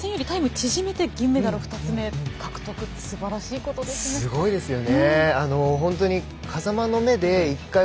予選よりタイムを縮めて銀メダルを２つ目獲得すばらしいことですね。